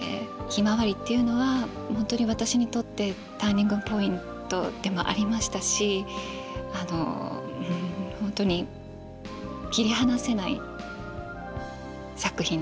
「ひまわり」っていうのは本当に私にとってターニングポイントでもありましたし本当に切り離せない作品です。